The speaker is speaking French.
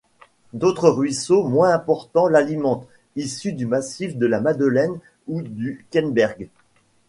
D'autres ruisseaux moins importants l'alimentent, issus du massif de la Madeleine ou du Kemberg.